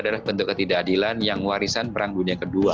itu adalah bentuk ketidakadilan yang warisan perang dunia kedua